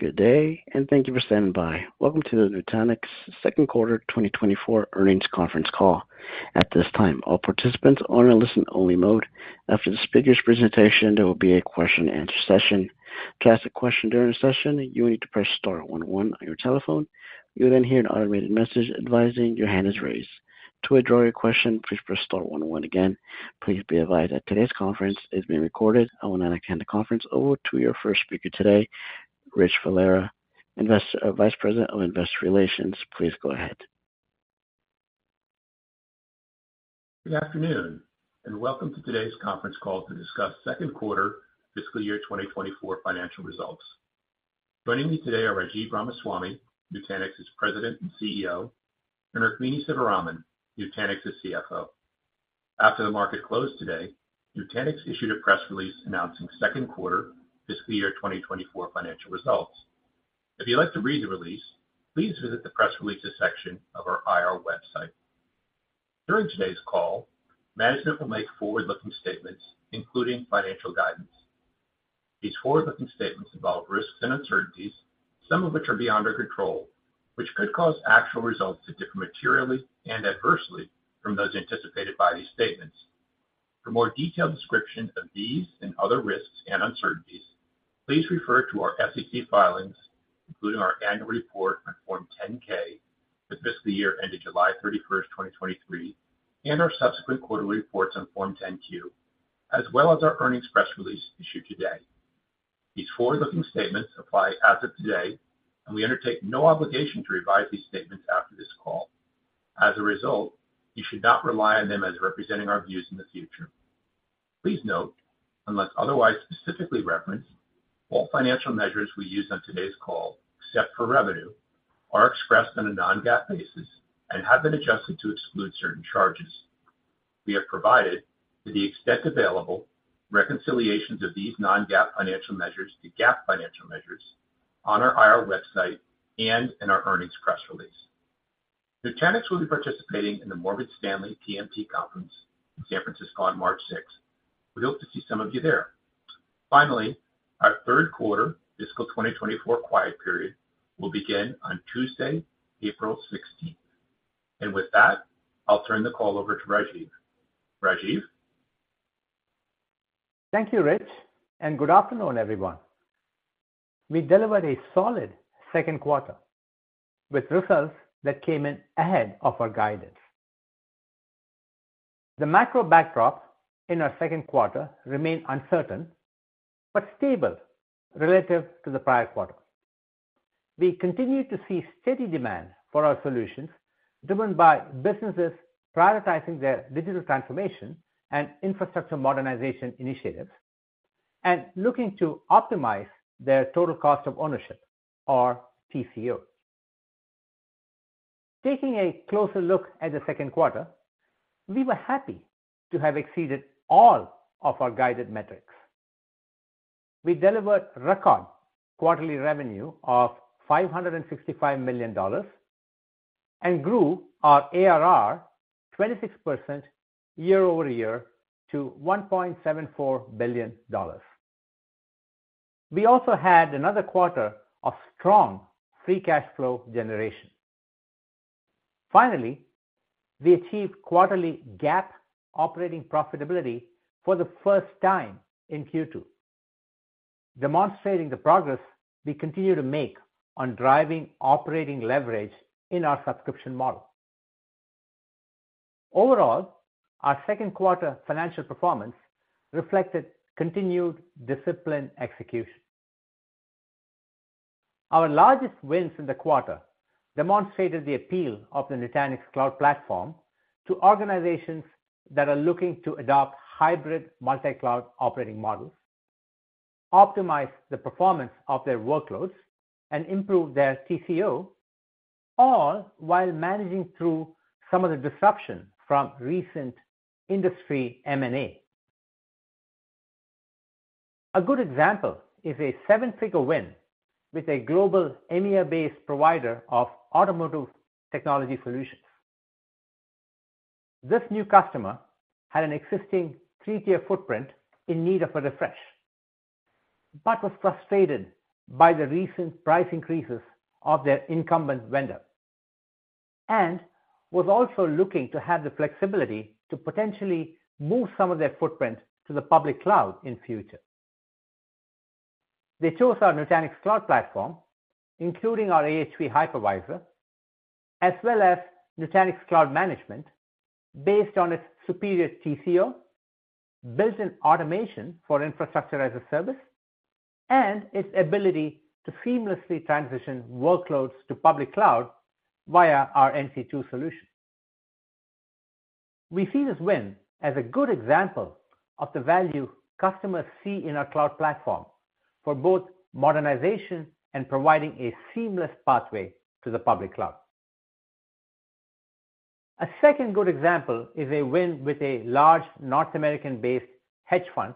Good day, and thank you for standing by. Welcome to the Nutanix second quarter 2024 earnings conference call. At this time, all participants are in a listen-only mode. After this figure's presentation, there will be a question-and-answer session. To ask a question during the session, you will need to press star one one on your telephone. You will then hear an automated message advising your hand is raised. To withdraw your question, please press star one one again. Please be advised that today's conference is being recorded. I will now hand the conference over to your first speaker today, Rich Valera, Vice President of Investor Relations. Please go ahead. Good afternoon, and welcome to today's conference call to discuss second quarter fiscal year 2024 financial results. Joining me today are Rajiv Ramaswami, Nutanix's President and CEO, and Rukmini Sivaraman, Nutanix's CFO. After the market closed today, Nutanix issued a press release announcing second quarter fiscal year 2024 financial results. If you'd like to read the release, please visit the press releases section of our IR website. During today's call, management will make forward-looking statements, including financial guidance. These forward-looking statements involve risks and uncertainties, some of which are beyond our control, which could cause actual results to differ materially and adversely from those anticipated by these statements. For a more detailed description of these and other risks and uncertainties, please refer to our SEC filings, including our annual report on Form 10-K with fiscal year ending July 31st, 2023, and our subsequent quarterly reports on Form 10-Q, as well as our earnings press release issued today. These forward-looking statements apply as of today, and we undertake no obligation to revise these statements after this call. As a result, you should not rely on them as representing our views in the future. Please note, unless otherwise specifically referenced, all financial measures we use on today's call, except for revenue, are expressed on a non-GAAP basis and have been adjusted to exclude certain charges. We have provided, to the extent available, reconciliations of these non-GAAP financial measures to GAAP financial measures on our IR website and in our earnings press release. Nutanix will be participating in the Morgan Stanley TMT conference in San Francisco on March 6th. We hope to see some of you there. Finally, our third quarter fiscal 2024 quiet period will begin on Tuesday, April 16th. And with that, I'll turn the call over to Rajiv. Rajiv? Thank you, Rich, and good afternoon, everyone. We delivered a solid second quarter with results that came in ahead of our guidance. The macro backdrop in our second quarter remained uncertain but stable relative to the prior quarter. We continue to see steady demand for our solutions driven by businesses prioritizing their digital transformation and infrastructure modernization initiatives and looking to optimize their total cost of ownership, or TCO. Taking a closer look at the second quarter, we were happy to have exceeded all of our guided metrics. We delivered record quarterly revenue of $565 million and grew our ARR 26% year-over-year to $1.74 billion. We also had another quarter of strong free cash flow generation. Finally, we achieved quarterly GAAP operating profitability for the first time in Q2, demonstrating the progress we continue to make on driving operating leverage in our subscription model. Overall, our second quarter financial performance reflected continued discipline execution. Our largest wins in the quarter demonstrated the appeal of the Nutanix Cloud Platform to organizations that are looking to adopt hybrid multi-cloud operating models, optimize the performance of their workloads, and improve their TCO, all while managing through some of the disruption from recent industry M&A. A good example is a seven-figure win with a global EMEA-based provider of automotive technology solutions. This new customer had an existing three-tier footprint in need of a refresh but was frustrated by the recent price increases of their incumbent vendor and was also looking to have the flexibility to potentially move some of their footprint to the public cloud in the future. They chose our Nutanix Cloud Platform, including our AHV hypervisor, as well as Nutanix Cloud Management based on its superior TCO, built-in automation for infrastructure as a service, and its ability to seamlessly transition workloads to public cloud via our NC2 solution. We see this win as a good example of the value customers see in our cloud platform for both modernization and providing a seamless pathway to the public cloud. A second good example is a win with a large North American-based hedge fund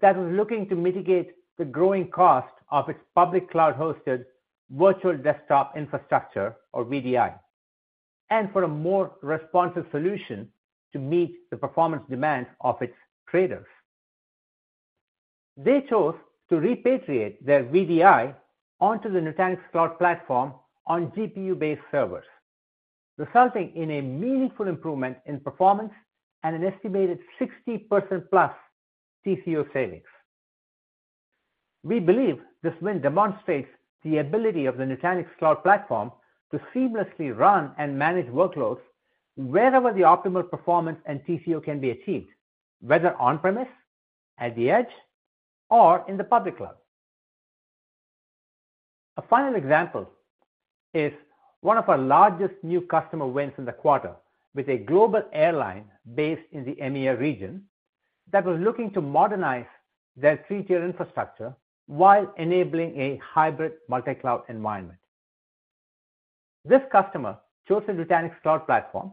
that was looking to mitigate the growing cost of its public cloud-hosted Virtual Desktop Infrastructure, or VDI, and for a more responsive solution to meet the performance demands of its traders. They chose to repatriate their VDI onto the Nutanix Cloud Platform on GPU-based servers, resulting in a meaningful improvement in performance and an estimated 60%+ TCO savings. We believe this win demonstrates the ability of the Nutanix Cloud Platform to seamlessly run and manage workloads wherever the optimal performance and TCO can be achieved, whether on-premise, at the edge, or in the public cloud. A final example is one of our largest new customer wins in the quarter with a global airline based in the EMEA region that was looking to modernize their three-tier infrastructure while enabling a hybrid multi-cloud environment. This customer chose the Nutanix Cloud Platform,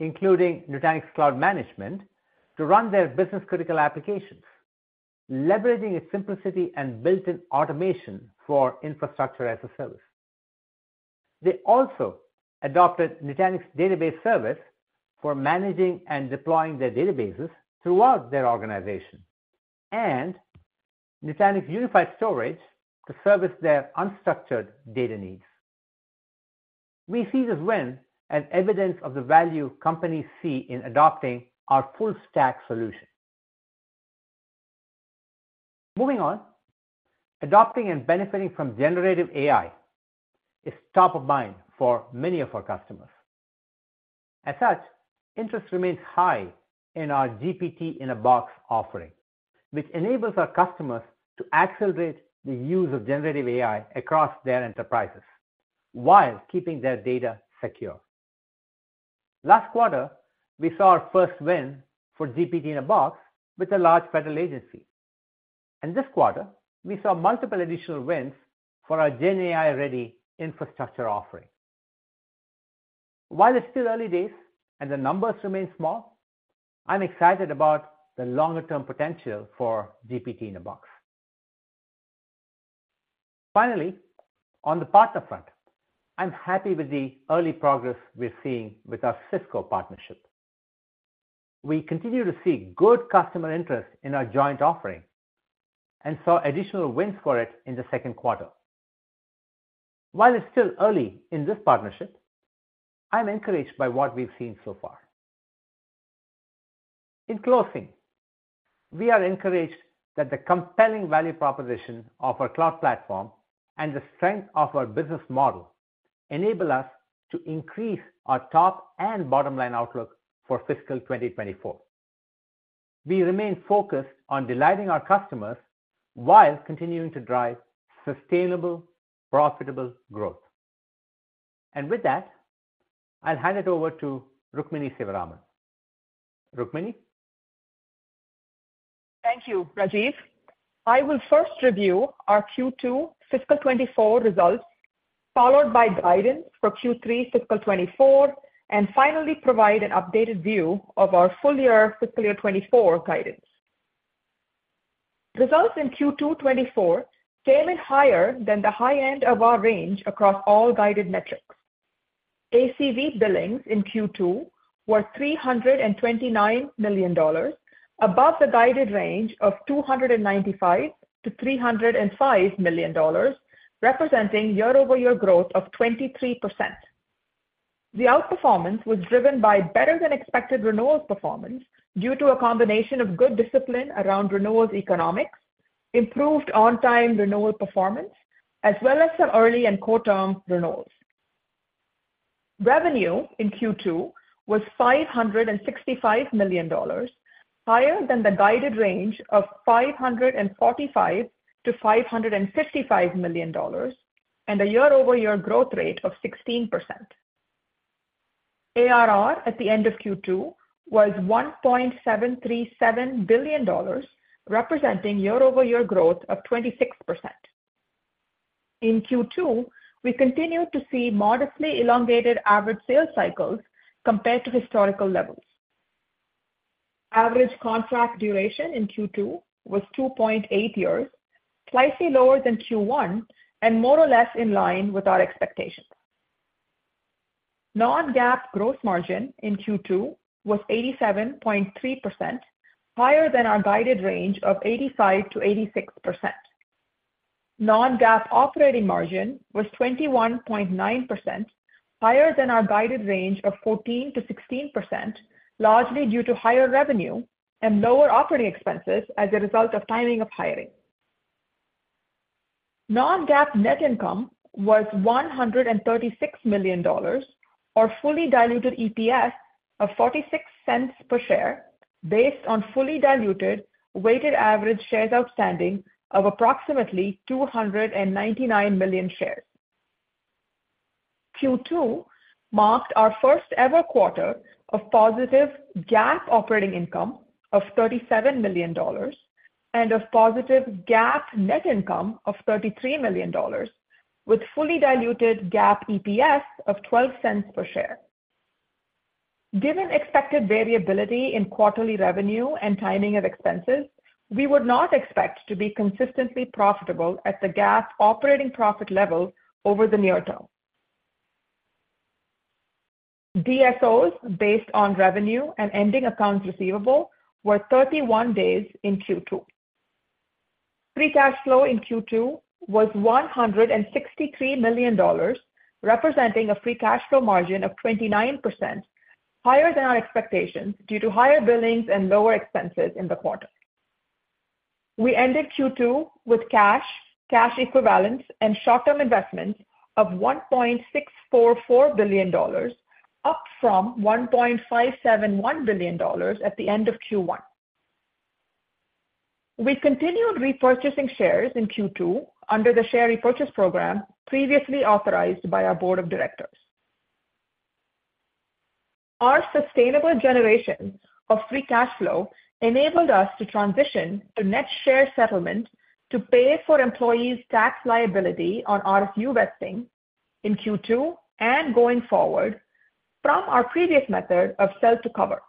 including Nutanix Cloud Management, to run their business-critical applications, leveraging its simplicity and built-in automation for infrastructure as a service. They also adopted Nutanix Database Service for managing and deploying their databases throughout their organization and Nutanix Unified Storage to service their unstructured data needs. We see this win as evidence of the value companies see in adopting our full-stack solution. Moving on, adopting and benefiting from generative AI is top of mind for many of our customers. As such, interest remains high in our GPT-in-a-Box offering, which enables our customers to accelerate the use of generative AI across their enterprises while keeping their data secure. Last quarter, we saw our first win for GPT-in-a-Box with a large federal agency. This quarter, we saw multiple additional wins for our GenAI-ready infrastructure offering. While it's still early days and the numbers remain small, I'm excited about the longer-term potential for GPT-in-a-Box. Finally, on the partner front, I'm happy with the early progress we're seeing with our Cisco partnership. We continue to see good customer interest in our joint offering and saw additional wins for it in the second quarter. While it's still early in this partnership, I'm encouraged by what we've seen so far. In closing, we are encouraged that the compelling value proposition of our cloud platform and the strength of our business model enable us to increase our top and bottom-line outlook for fiscal 2024. We remain focused on delighting our customers while continuing to drive sustainable, profitable growth. And with that, I'll hand it over to Rukmini Sivaraman. Rukmini? Thank you, Rajiv. I will first review our Q2 fiscal 2024 results, followed by guidance for Q3 fiscal 2024, and finally provide an updated view of our full-year fiscal year 2024 guidance. Results in Q2 2024 came in higher than the high end of our range across all guided metrics. ACV billings in Q2 were $329 million, above the guided range of $295 million-$305 million, representing year-over-year growth of 23%. The outperformance was driven by better-than-expected renewals performance due to a combination of good discipline around renewals economics, improved on-time renewal performance, as well as some early and quarter-term renewals. Revenue in Q2 was $565 million, higher than the guided range of $545 million-$555 million, and a year-over-year growth rate of 16%. ARR at the end of Q2 was $1.737 billion, representing year-over-year growth of 26%. In Q2, we continued to see modestly elongated average sales cycles compared to historical levels. Average contract duration in Q2 was 2.8 years, slightly lower than Q1, and more or less in line with our expectations. Non-GAAP gross margin in Q2 was 87.3%, higher than our guided range of 85%-86%. Non-GAAP operating margin was 21.9%, higher than our guided range of 14%-16%, largely due to higher revenue and lower operating expenses as a result of timing of hiring. Non-GAAP net income was $136 million, or fully diluted EPS of $0.46 per share based on fully diluted weighted average shares outstanding of approximately 299 million shares. Q2 marked our first-ever quarter of positive GAAP operating income of $37 million and of positive GAAP net income of $33 million, with fully diluted GAAP EPS of $0.12 per share. Given expected variability in quarterly revenue and timing of expenses, we would not expect to be consistently profitable at the GAAP operating profit level over the near term. DSOs based on revenue and ending accounts receivable were 31 days in Q2. Free cash flow in Q2 was $163 million, representing a free cash flow margin of 29%, higher than our expectations due to higher billings and lower expenses in the quarter. We ended Q2 with cash, cash equivalents, and short-term investments of $1.644 billion, up from $1.571 billion at the end of Q1. We continued repurchasing shares in Q2 under the share repurchase program previously authorized by our board of directors. Our sustainable generation of free cash flow enabled us to transition to net share settlement to pay for employees' tax liability on RSU vesting in Q2 and going forward from our previous method of sell-to-cover.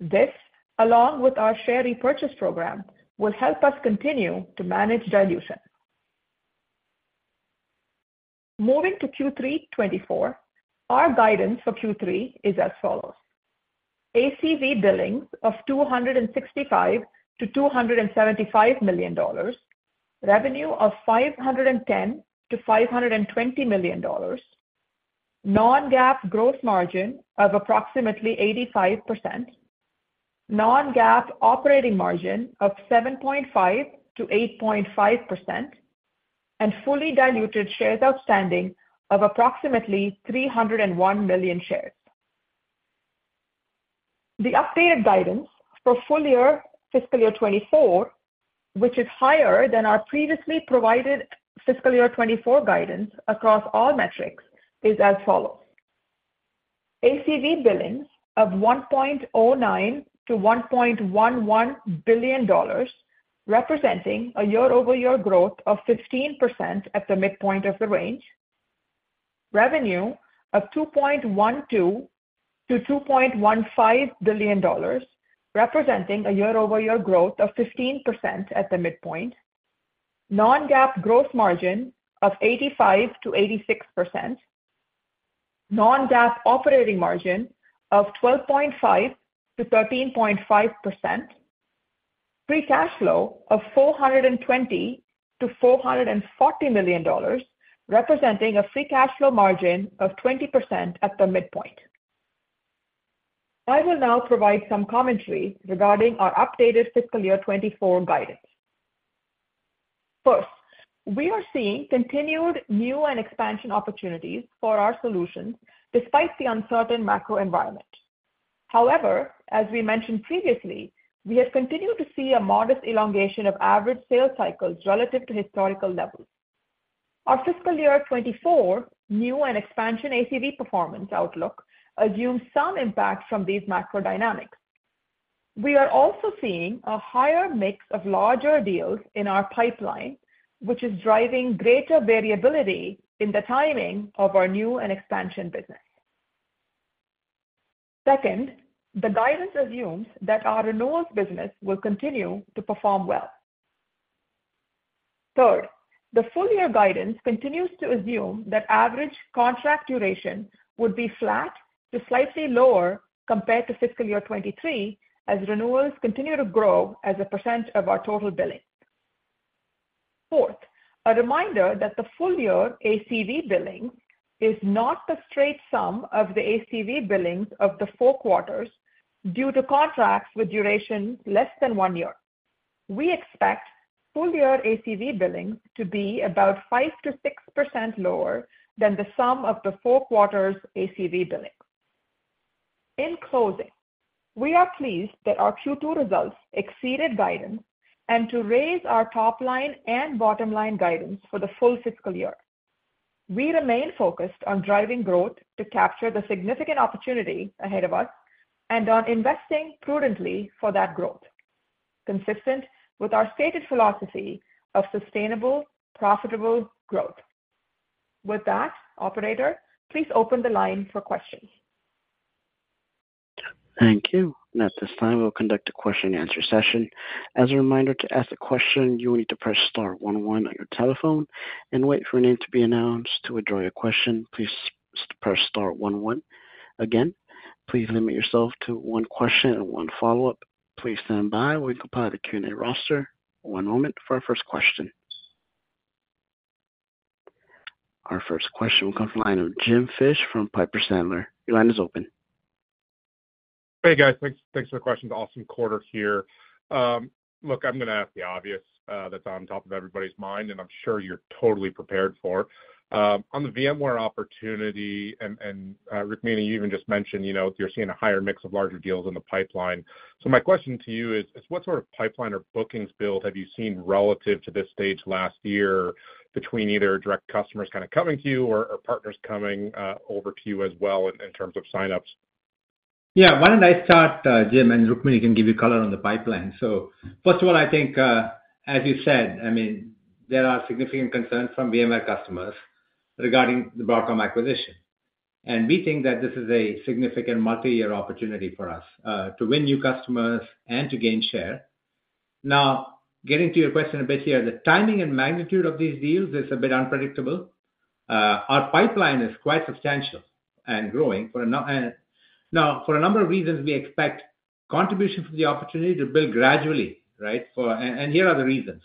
This, along with our share repurchase program, will help us continue to manage dilution. Moving to Q3 2024, our guidance for Q3 is as follows: ACV billings of $265 million-$275 million, revenue of $510 million-$520 million, non-GAAP gross margin of approximately 85%, non-GAAP operating margin of 7.5%-8.5%, and fully diluted shares outstanding of approximately 301 million shares. The updated guidance for full-year fiscal year 2024, which is higher than our previously provided fiscal year 2024 guidance across all metrics, is as follows: ACV billings of $1.09 billion-$1.11 billion, representing a year-over-year growth of 15% at the midpoint of the range; revenue of $2.12 billion-$2.15 billion, representing a year-over-year growth of 15% at the midpoint; non-GAAP gross margin of 85%-86%; non-GAAP operating margin of 12.5%-13.5%; free cash flow of $420 million-$440 million, representing a free cash flow margin of 20% at the midpoint. I will now provide some commentary regarding our updated fiscal year 2024 guidance. First, we are seeing continued new and expansion opportunities for our solutions despite the uncertain macro environment. However, as we mentioned previously, we have continued to see a modest elongation of average sales cycles relative to historical levels. Our fiscal year 2024 new and expansion ACV performance outlook assumes some impact from these macro dynamics. We are also seeing a higher mix of larger deals in our pipeline, which is driving greater variability in the timing of our new and expansion business. Second, the guidance assumes that our renewals business will continue to perform well. Third, the full-year guidance continues to assume that average contract duration would be flat to slightly lower compared to fiscal year 2023 as renewals continue to grow as a percent of our total billing. Fourth, a reminder that the full-year ACV billing is not the straight sum of the ACV billings of the four quarters due to contracts with durations less than one year. We expect full-year ACV billing to be about 5%-6% lower than the sum of the four quarters' ACV billing. In closing, we are pleased that our Q2 results exceeded guidance and to raise our top-line and bottom-line guidance for the full fiscal year. We remain focused on driving growth to capture the significant opportunity ahead of us and on investing prudently for that growth, consistent with our stated philosophy of sustainable, profitable growth. With that, operator, please open the line for questions. Thank you. At this time, we'll conduct a question-and-answer session. As a reminder, to ask a question, you will need to press star one one on your telephone. And wait for your name to be announced to address your question. Please press star one one. Again, please limit yourself to one question and one follow-up. Please stand by. We'll compile the Q&A roster. One moment for our first question. Our first question will come from the line of James Fish from Piper Sandler. Your line is open. Hey, guys. Thanks for the questions. Awesome quarter here. Look, I'm going to ask the obvious that's on top of everybody's mind, and I'm sure you're totally prepared for. On the VMware opportunity and Rukmini, you even just mentioned you're seeing a higher mix of larger deals in the pipeline. So, my question to you is, what sort of pipeline or bookings build have you seen relative to this stage last year between either direct customers kind of coming to you or partners coming over to you as well in terms of signups? Yeah. Why don't I start, James, and Rukmini, you can give your color on the pipeline. So, first of all, I think, as you said, I mean, there are significant concerns from VMware customers regarding the Broadcom acquisition and we think that this is a significant multi-year opportunity for us to win new customers and to gain share. Now, getting to your question a bit here, the timing and magnitude of these deals is a bit unpredictable. Our pipeline is quite substantial and growing. Now, for a number of reasons, we expect contribution from the opportunity to build gradually, right? And here are the reasons.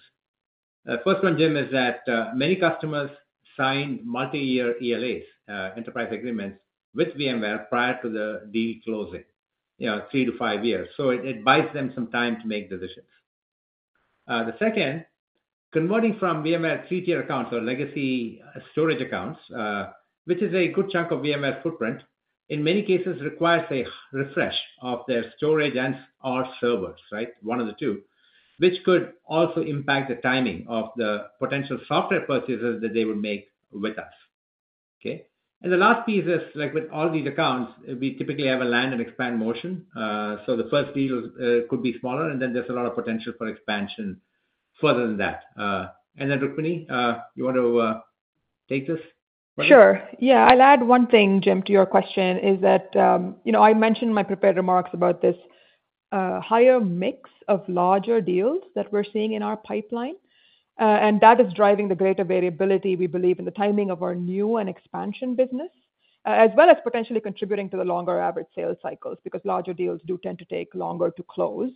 First one, James, is that many customers signed multi-year ELAs, enterprise agreements, with VMware prior to the deal closing, three to five years. So, it buys them some time to make decisions. The second, converting from VMware three-tier accounts or legacy storage accounts, which is a good chunk of VMware's footprint, in many cases requires a refresh of their storage and/or servers, right? One of the two, which could also impact the timing of the potential software purchases that they would make with us. Okay? And the last piece is, with all these accounts, we typically have a land and expand motion. So, the first deal could be smaller, and then there's a lot of potential for expansion further than that. Then, Rukmini, you want to take this? Sure. Yeah. I'll add one thing, Jim, to your question is that I mentioned in my prepared remarks about this higher mix of larger deals that we're seeing in our pipeline and that is driving the greater variability, we believe, in the timing of our new and expansion business, as well as potentially contributing to the longer average sales cycles because larger deals do tend to take longer to close.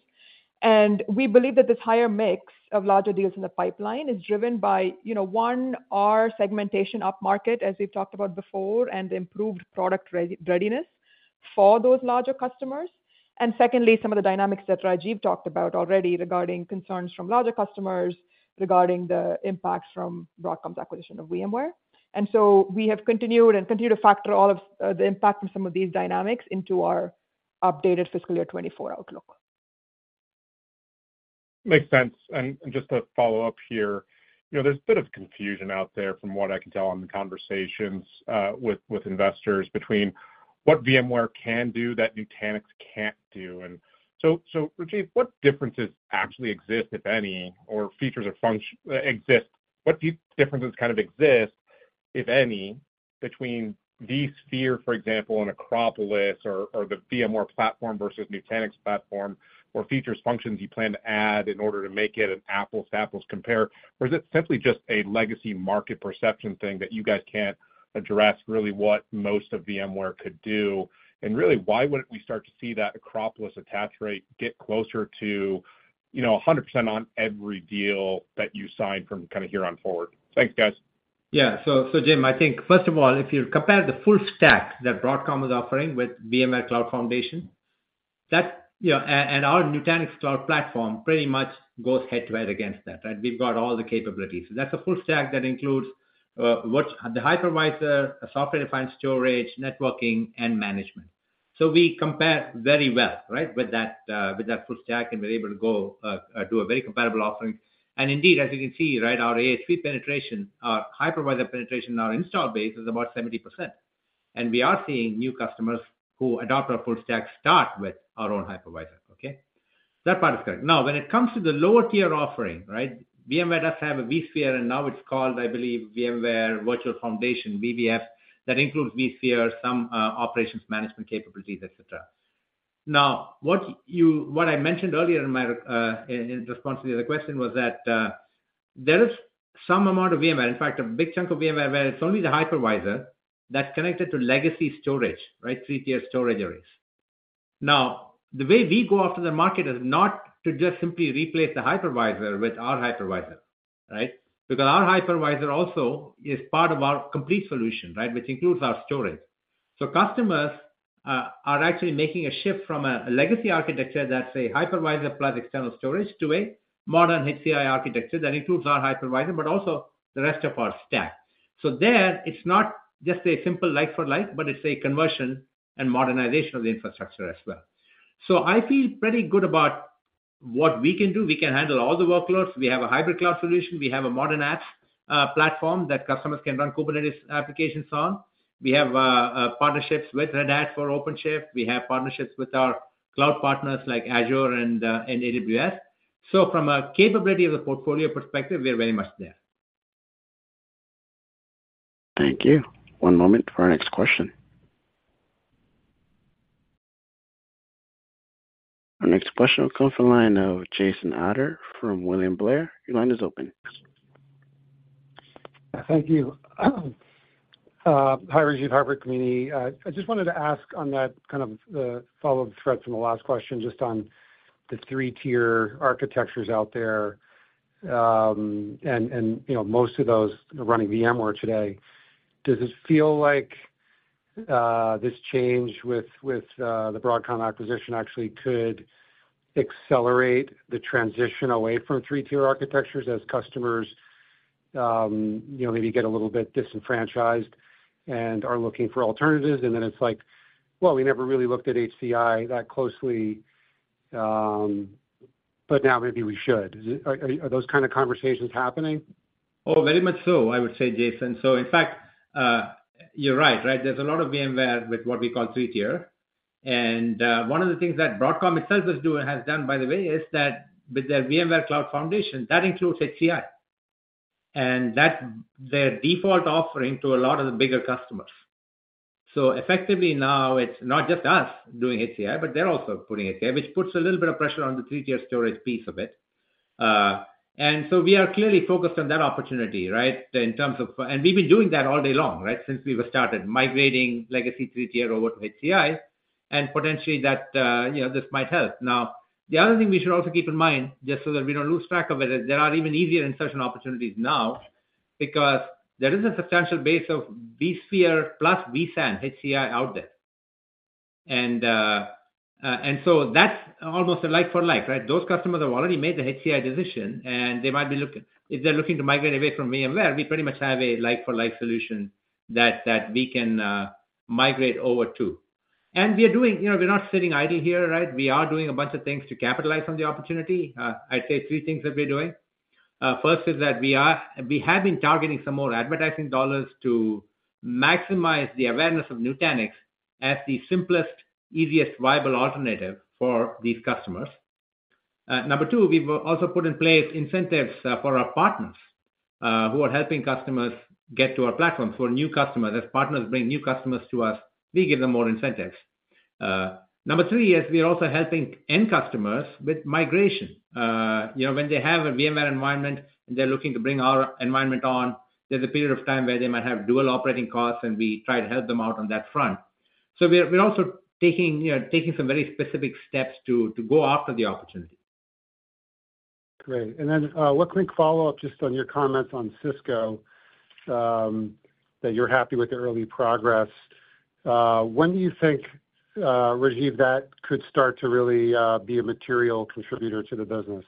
And we believe that this higher mix of larger deals in the pipeline is driven by, one, our segmentation upmarket, as we've talked about before, and improved product readiness for those larger customers. And secondly, some of the dynamics that Rajiv talked about already regarding concerns from larger customers regarding the impact from Broadcom's acquisition of VMware. And so, we have continued and continue to factor all of the impact from some of these dynamics into our updated fiscal year 2024 outlook. Makes sense. Just to follow up here, there's a bit of confusion out there from what I can tell on the conversations with investors between what VMware can do that Nutanix can't do. So, Rajiv, what differences actually exist, if any, or features exist? What differences kind of exist, if any, between vSphere, for example, and Acropolis, or the VMware platform versus Nutanix platform, or features, functions you plan to add in order to make it an apples-to-apples compare or is it simply just a legacy market perception thing that you guys can't address really what most of VMware could do? Really, why wouldn't we start to see that Acropolis attach rate get closer to 100% on every deal that you sign from kind of here on forward? Thanks, guys. Yeah. So, James, I think, first of all, if you compare the full stack that Broadcom is offering with VMware Cloud Foundation, and our Nutanix Cloud Platform pretty much goes head-to-head against that, right? We've got all the capabilities. So, that's a full stack that includes the hypervisor, software-defined storage, networking, and management. So, we compare very well, right, with that full stack, and we're able to go do a very comparable offering. And indeed, as you can see, right, our AHV penetration, our hypervisor penetration in our install base is about 70%. And we are seeing new customers who adopt our full stack start with our own hypervisor. Okay? That part is correct. Now, when it comes to the lower-tier offering, right, VMware does have a vSphere, and now it's called, I believe, VMware Virtual Foundation, VVF, that includes vSphere, some operations management capabilities, etc. Now, what I mentioned earlier in response to the other question was that there is some amount of VMware, in fact, a big chunk of VMware where it's only the hypervisor that's connected to legacy storage, right, three-tier storage arrays. Now, the way we go after the market is not to just simply replace the hypervisor with our hypervisor, right, because our hypervisor also is part of our complete solution, right, which includes our storage. So, customers are actually making a shift from a legacy architecture that's a hypervisor plus external storage to a modern HCI architecture that includes our hypervisor but also the rest of our stack. So, there, it's not just a simple like-for-like, but it's a conversion and modernization of the infrastructure as well. So, I feel pretty good about what we can do. We can handle all the workloads. We have a hybrid cloud solution. We have a modern apps platform that customers can run Kubernetes applications on. We have partnerships with Red Hat for OpenShift. We have partnerships with our cloud partners like Azure and AWS. So, from a capability of the portfolio perspective, we're very much there. Thank you. One moment for our next question. Our next question will come from the line of Jason Ader from William Blair. Your line is open. Thank you. Hi, Rajiv. Hi, Rukmini. I just wanted to ask on that kind of the follow-up thread from the last question just on the three-tier architectures out there. Most of those running VMware today, does it feel like this change with the Broadcom acquisition actually could accelerate the transition away from three-tier architectures as customers maybe get a little bit disenfranchised and are looking for alternatives? And then it's like, "Well, we never really looked at HCI that closely, but now maybe we should." Are those kinds of conversations happening? Oh, very much so, I would say, Jason. So, in fact, you're right, right? There's a lot of VMware with what we call three-tier. And one of the things that Broadcom itself has done, by the way, is that with their VMware Cloud Foundation, that includes HCI and that's their default offering to a lot of the bigger customers. So, effectively, now it's not just us doing HCI, but they're also putting it there, which puts a little bit of pressure on the three-tier storage piece of it. And so we are clearly focused on that opportunity, right, in terms of and we've been doing that all day long, right, since we were started migrating legacy three-tier over to HCI. And potentially, this might help. Now, the other thing we should also keep in mind just so that we don't lose track of it is there are even easier insertion opportunities now because there is a substantial base of vSphere plus vSAN HCI out there. And so that's almost a like-for-like, right? Those customers have already made the HCI decision, and they might be looking if they're looking to migrate away from VMware. We pretty much have a like-for-like solution that we can migrate over to. And we're doing- we're not sitting idle here, right? We are doing a bunch of things to capitalize on the opportunity. I'd say three things that we're doing. First is that we have been targeting some more advertising dollars to maximize the awareness of Nutanix as the simplest, easiest, viable alternative for these customers. Number two, we've also put in place incentives for our partners who are helping customers get to our platforms. For new customers, as partners bring new customers to us, we give them more incentives. Number three is we are also helping end customers with migration. When they have a VMware environment and they're looking to bring our environment on, there's a period of time where they might have dual operating costs, and we try to help them out on that front. So, we're also taking some very specific steps to go after the opportunity. Great. And then a quick follow-up just on your comments on Cisco, that you're happy with the early progress. When do you think, Rajiv, that could start to really be a material contributor to the business?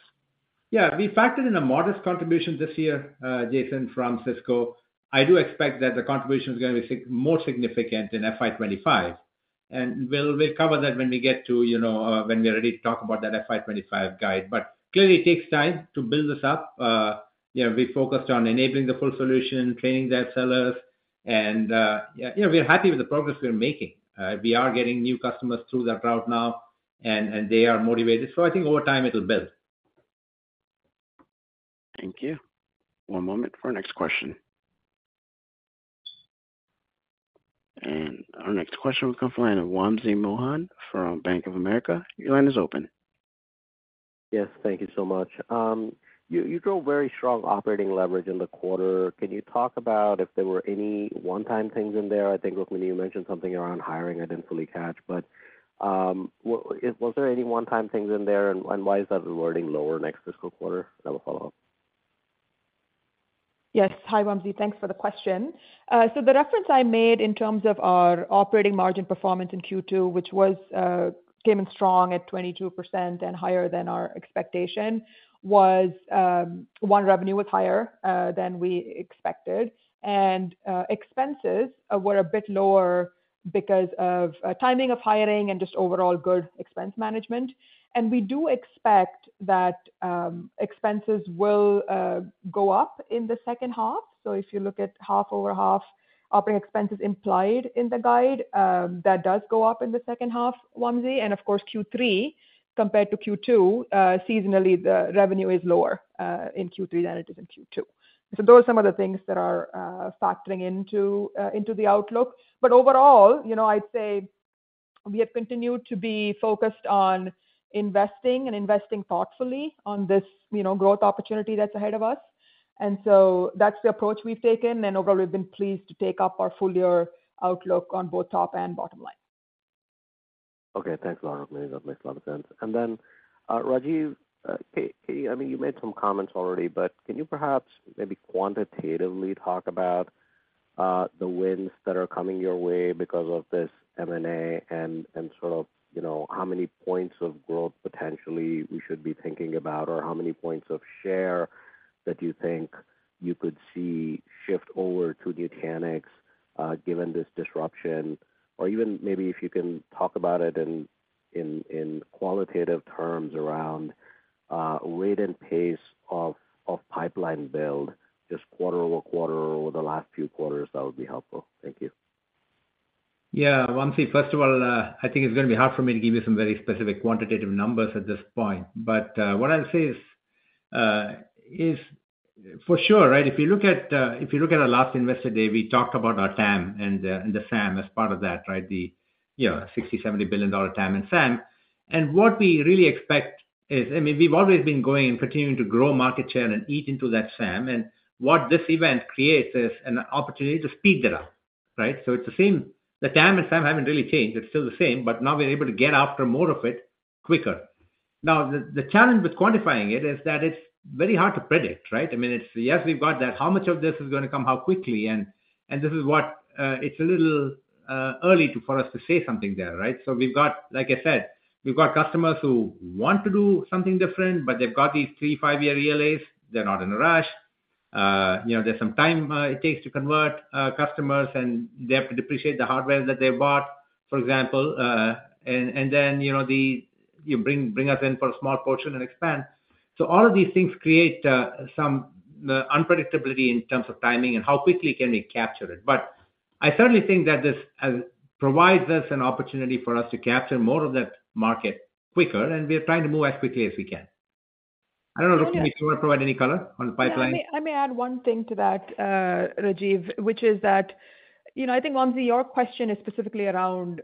Yeah. We factored in a modest contribution this year, Jason, from Cisco. I do expect that the contribution is going to be more significant in FY25. And we'll cover that when we get to when we're ready to talk about that FY25 guide. But clearly, it takes time to build this up. We focused on enabling the full solution, training their sellers and we're happy with the progress we're making. We are getting new customers through that route now, and they are motivated. So, I think over time, it'll build. Thank you. One moment for our next question. Our next question will come from the line of Wamsi Mohan from Bank of America. Your line is open. Yes. Thank you so much. You drove very strong operating leverage in the quarter. Can you talk about if there were any one-time things in there? I think, Rukmini, you mentioned something around hiring. I didn't fully catch. But was there any one-time things in there, and why is that looking lower next fiscal quarter? That was a follow-up. Yes. Hi, Wamsi. Thanks for the question. So, the reference I made in terms of our operating margin performance in Q2, which came in strong at 22% and higher than our expectation, was, one, revenue was higher than we expected. And expenses were a bit lower because of timing of hiring and just overall good expense management. And we do expect that expenses will go up in the second half. So, if you look at half-over-half operating expenses implied in the guide, that does go up in the second half, Wamsi. And of course, Q3, compared to Q2, seasonally, the revenue is lower in Q3 than it is in Q2. So, those are some of the things that are factoring into the outlook. But overall, I'd say we have continued to be focused on investing and investing thoughtfully on this growth opportunity that's ahead of us. And so that's the approach we've taken. Overall, we've been pleased to take up our full-year outlook on both top and bottom line. Okay. Thanks a lot, Rukmini. That makes a lot of sense. And then, Rajiv, I mean, you made some comments already, but can you perhaps maybe quantitatively talk about the wins that are coming your way because of this M&A and sort of how many points of growth potentially we should be thinking about or how many points of share that you think you could see shift over to Nutanix given this disruption? Or even maybe if you can talk about it in qualitative terms around rate and pace of pipeline build just quarter over quarter over the last few quarters, that would be helpful. Thank you. Yeah. Wamsi, first of all, I think it's going to be hard for me to give you some very specific quantitative numbers at this point. But what I'll say is for sure, right, if you look at our last investor day, we talked about our TAM and the SAM as part of that, right, the $60 billion-$70 billion TAM and SAM. And what we really expect is I mean, we've always been going and continuing to grow market share and eat into that SAM and what this event creates is an opportunity to speed that up, right? So, it's the same, the TAM and SAM haven't really changed. It's still the same, but now we're able to get after more of it quicker. Now, the challenge with quantifying it is that it's very hard to predict, right? I mean, yes, we've got that. How much of this is going to come, how quickly? And this is what it's a little early for us to say something there, right? So, like I said, we've got customers who want to do something different, but they've got these three to five-year ELAs. They're not in a rush. There's some time it takes to convert customers, and they have to depreciate the hardware that they've bought, for example. And then you bring us in for a small portion and expand. So, all of these things create some unpredictability in terms of timing and how quickly can we capture it. But I certainly think that this provides us an opportunity for us to capture more of that market quicker. And we are trying to move as quickly as we can. I don't know, Rukmini, if you want to provide any color on the pipeline. I may add one thing to that, Rajiv, which is that I think, Wamsi, your question is specifically around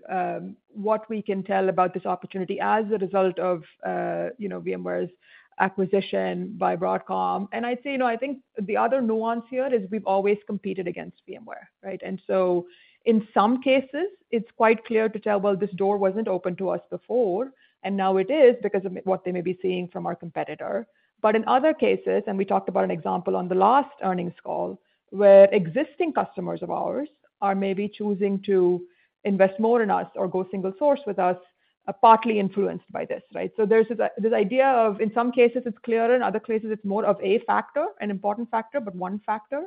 what we can tell about this opportunity as a result of VMware's acquisition by Broadcom. And I'd say I think the other nuance here is we've always competed against VMware, right? And so, in some cases, it's quite clear to tell, "Well, this door wasn't open to us before, and now it is because of what they may be seeing from our competitor." But in other cases, and we talked about an example on the last earnings call, where existing customers of ours are maybe choosing to invest more in us or go single source with us, partly influenced by this, right? So, there's this idea of in some cases, it's clearer. In other cases, it's more of a factor, an important factor, but one factor.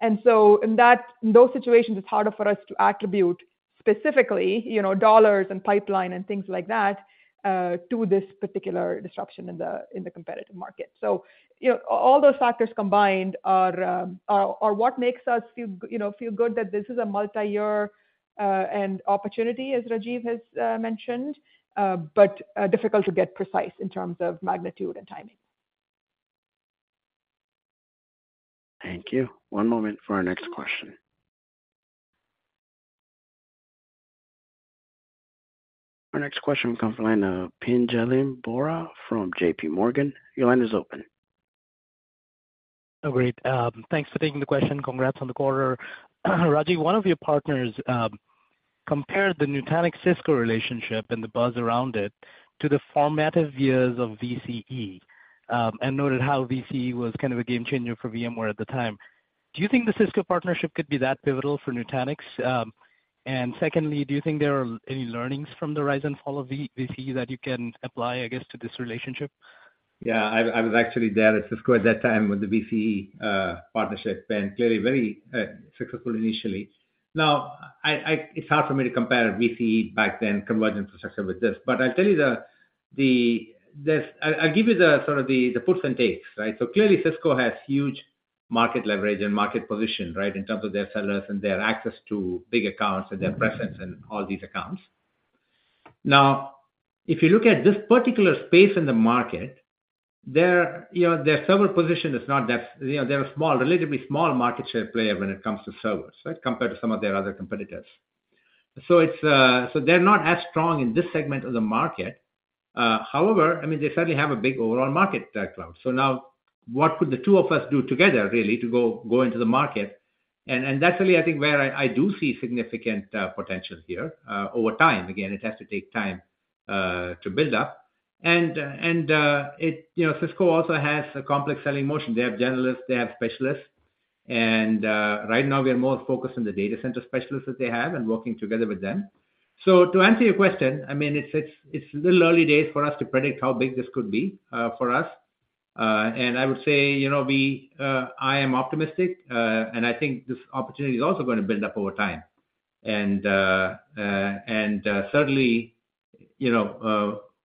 And so in those situations, it's harder for us to attribute specifically dollars and pipeline and things like that to this particular disruption in the competitive market. So, all those factors combined are what makes us feel good that this is a multi-year opportunity, as Rajiv has mentioned, but difficult to get precise in terms of magnitude and timing. Thank you. One moment for our next question. Our next question will come from the line of Pinjalim Bora from JPMorgan. Your line is open. Oh, great. Thanks for taking the question. Congrats on the quarter. Rajiv, one of your partners compared the Nutanix-Cisco relationship and the buzz around it to the formative years of VCE and noted how VCE was kind of a gamechanger for VMware at the time. Do you think the Cisco partnership could be that pivotal for Nutanix? And secondly, do you think there are any learnings from the rise and fall of VCE that you can apply, I guess, to this relationship? Yeah. I was actually there at Cisco at that time with the VCE partnership and clearly very successful initially. Now, it's hard for me to compare VCE back then, converged infrastructure, with this. But I'll tell you, I'll give you sort of the puts and takes, right? So, clearly, Cisco has huge market leverage and market position, right, in terms of their sellers and their access to big accounts and their presence in all these accounts. Now, if you look at this particular space in the market, their server position is not that they're a relatively small market share player when it comes to servers, right, compared to some of their other competitors. So, they're not as strong in this segment of the market. However, I mean, they certainly have a big overall market clout. So, now, what could the two of us do together, really, to go into the market? And that's really, I think, where I do see significant potential here over time. Again, it has to take time to build up. And Cisco also has a complex selling motion. They have generalists. They have specialists. And right now, we are more focused on the data center specialists that they have and working together with them. So, to answer your question, I mean, it's a little early day for us to predict how big this could be for us and I would say I am optimistic. And I think this opportunity is also going to build up over time. Certainly,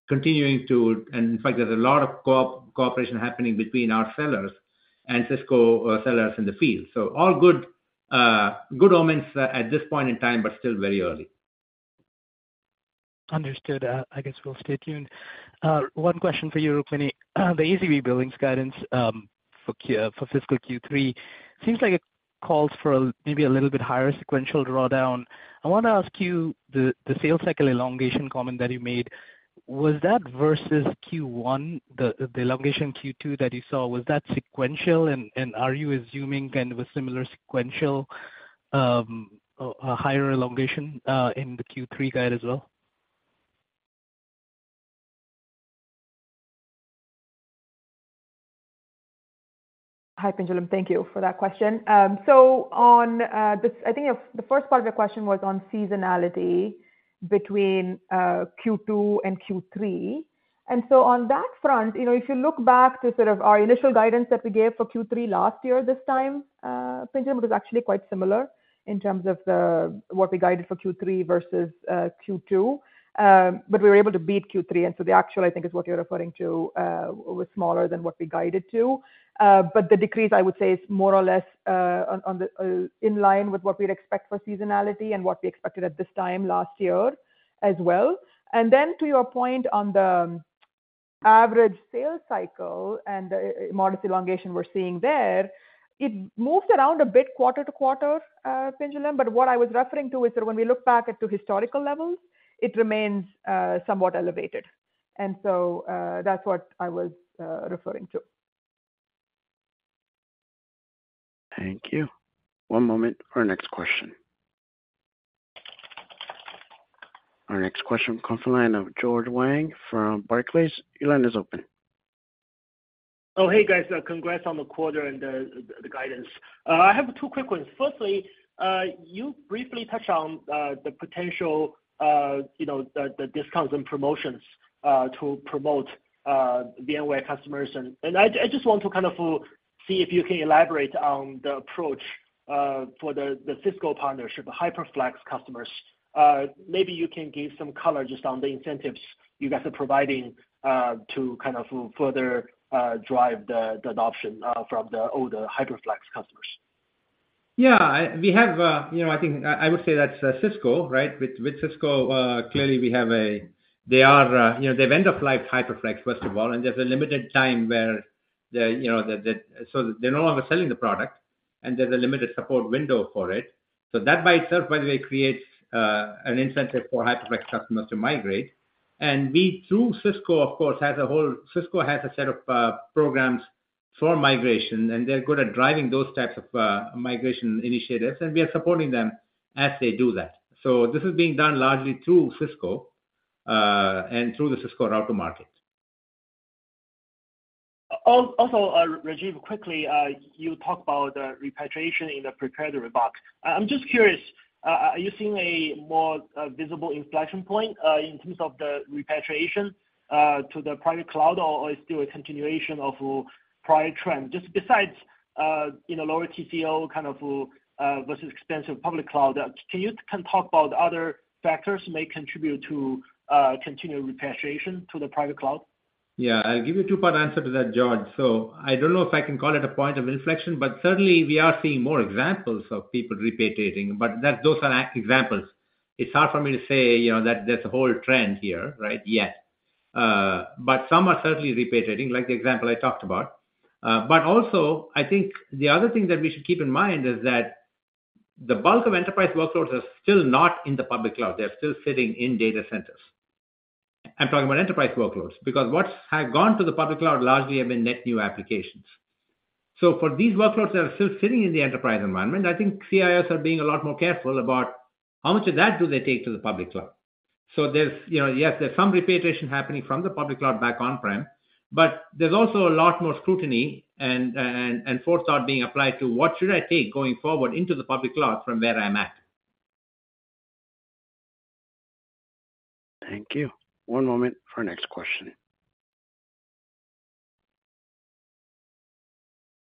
continuing to and in fact, there's a lot of cooperation happening between our sellers and Cisco sellers in the field. All good omens at this point in time, but still very early. Understood. I guess we'll stay tuned. One question for you, Rukmini. The ACV Billings guidance for fiscal Q3 seems like it calls for maybe a little bit higher sequential drawdown. I want to ask you. The sales cycle elongation comment that you made, was that versus Q1, the elongation Q2 that you saw, was that sequential? And are you assuming kind of a similar sequential, higher elongation in the Q3 guide as well? Hi, Pinjalim. Thank you for that question. So, I think the first part of your question was on seasonality between Q2 and Q3. And so, on that front, if you look back to sort of our initial guidance that we gave for Q3 last year, this time, Pinjalim, it was actually quite similar in terms of what we guided for Q3 versus Q2. But we were able to beat Q3. And so, the actual, I think, is what you're referring to was smaller than what we guided to. But the decrease, I would say, is more or less in line with what we'd expect for seasonality and what we expected at this time last year as well. And then to your point on the average sales cycle and the modest elongation we're seeing there, it moves around a bit quarter to quarter, Pinjalim. But what I was referring to is sort of when we look back at historical levels, it remains somewhat elevated and so, that's what I was referring to. Thank you. One moment for our next question. Our next question will come from the line of George Wang from Barclays. Your line is open. Oh, hey, guys. Congrats on the quarter and the guidance. I have two quick questions. Firstly, you briefly touched on the potential, the discounts and promotions to promote VMware customers. And I just want to kind of see if you can elaborate on the approach for the Cisco partnership, HyperFlex customers. Maybe you can give some color just on the incentives you guys are providing to kind of further drive the adoption from the older HyperFlex customers. Yeah. I think I would say that's Cisco, right? With Cisco, clearly, we have. They've end-of-life HyperFlex, first of all. And there's a limited time, so they're no longer selling the product and there's a limited support window for it. So, that by itself, by the way, creates an incentive for HyperFlex customers to migrate and we, through Cisco, of course, Cisco has a whole set of programs for migration, and they're good at driving those types of migration initiatives and we are supporting them as they do that. So, this is being done largely through Cisco and through the Cisco route to market. Also, Rajiv, quickly, you talked about the repatriation in the GPT-in-a-Box. I'm just curious, are you seeing a more visible inflection point in terms of the repatriation to the private cloud, or is it still a continuation of prior trend? Just besides lower TCO kind of versus expensive public cloud, can you talk about other factors that may contribute to continual repatriation to the private cloud? Yeah. I'll give you a two-part answer to that, George. So, I don't know if I can call it a point of inflection. But certainly, we are seeing more examples of people repatriating. But those are examples. It's hard for me to say that there's a whole trend here, right, yet. But some are certainly repatriating, like the example I talked about. But also, I think the other thing that we should keep in mind is that the bulk of enterprise workloads are still not in the public cloud. They're still sitting in data centers. I'm talking about enterprise workloads because what has gone to the public cloud largely have been net new applications. So, for these workloads that are still sitting in the enterprise environment, I think CIOs are being a lot more careful about how much of that do they take to the public cloud. So, yes, there's some repatriation happening from the public cloud back on-prem. But there's also a lot more scrutiny and forethought being applied to what should I take going forward into the public cloud from where I'm at? Thank you. One moment for our next question.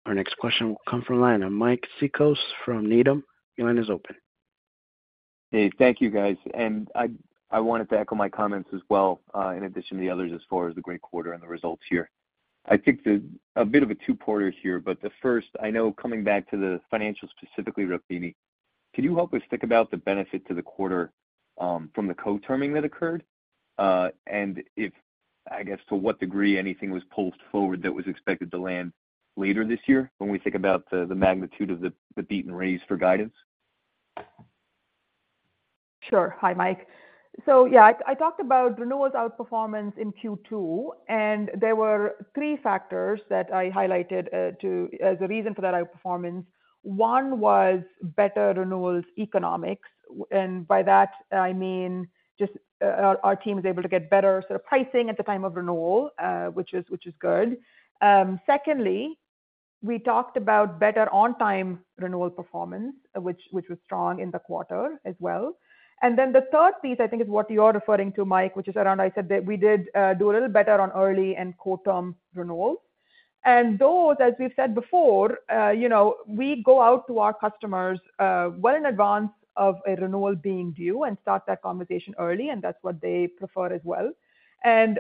Our next question will come from the line of Mike Cikos from Needham. Your line is open. Hey, thank you, guys. I wanted to echo my comments as well in addition to the others as far as the great quarter and the results here. I think a bit of a two-parter here. But the first, I know coming back to the financials specifically, Rukmini, could you help us think about the benefit to the quarter from the co-terming that occurred and, I guess, to what degree anything was pulled forward that was expected to land later this year when we think about the magnitude of the beat and raise for guidance? Sure. Hi, Mike. So, yeah, I talked about renewals outperformance in Q2. And there were three factors that I highlighted as a reason for that outperformance. One was better renewals economics. And by that, I mean just our team is able to get better sort of pricing at the time of renewal, which is good. Secondly, we talked about better on-time renewal performance, which was strong in the quarter as well and then the third piece, I think, is what you're referring to, Mike, which is around, I said that we did do a little better on early and co-term renewals. And those, as we've said before, we go out to our customers well in advance of a renewal being due and start that conversation early and that's what they prefer as well.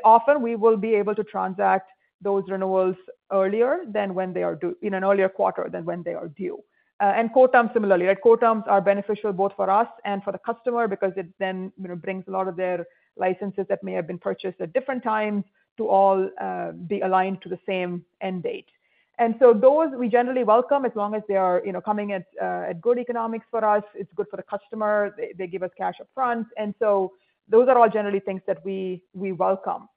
Often, we will be able to transact those renewals earlier than when they are due in an earlier quarter than when they are due. And co-terms, similarly, right? Co-terms are beneficial both for us and for the customer because it then brings a lot of their licenses that may have been purchased at different times to all be aligned to the same end date. And so those, we generally welcome as long as they are coming at good economics for us. It's good for the customer. They give us cash up front. And so those are all generally things that we welcome.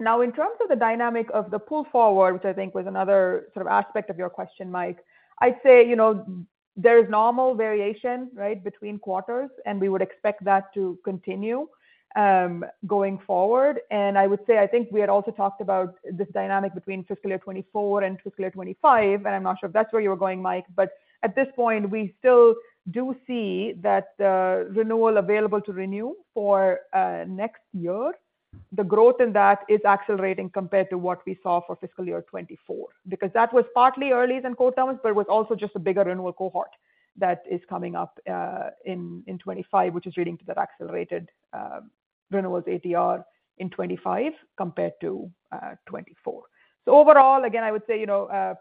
Now, in terms of the dynamic of the pull forward, which I think was another sort of aspect of your question, Mike, I'd say there is normal variation, right, between quarters and we would expect that to continue going forward. I would say I think we had also talked about this dynamic between fiscal year 2024 and fiscal year 2025. And I'm not sure if that's where you were going, Mike. But at this point, we still do see that the renewal available to renew for next year, the growth in that is accelerating compared to what we saw for fiscal year 2024 because that was partly earlys and co-terms, but it was also just a bigger renewal cohort that is coming up in 2025, which is leading to that accelerated renewals ATR in 2025 compared to 2024. So, overall, again, I would say